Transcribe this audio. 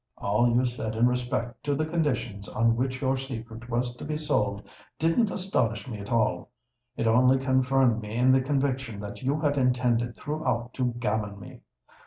All you said in respect to the conditions on which your secret was to be sold didn't astonish me at all. It only confirmed me in the conviction that you had intended throughout to gammon me.